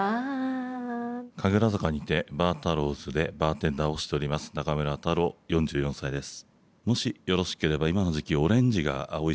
・神楽坂にてＢａｒＴａｒｒｏｗ’ｓでバーテンダーをしております中村太郎４４歳です。